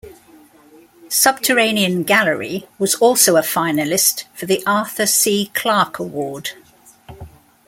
"Subterranean Gallery" was also a finalist for the Arthur C. Clarke Award.